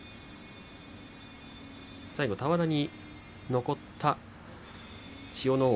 最後、俵に残った千代ノ皇。